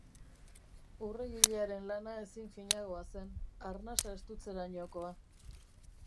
Urregilearen lana ezin finagoa zen, arnasa estutzerainokoa.